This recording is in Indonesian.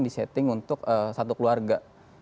memang disetting untuk satu keluarga